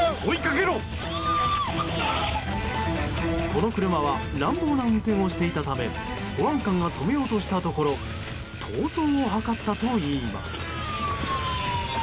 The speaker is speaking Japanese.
この車は乱暴な運転をしていたため保安官が止めようとしたところ逃走を図ったといいます。